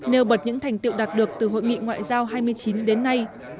nêu bật những thành tiệu đạt được từ hội nghị ngoại giao hai mươi chín đến nay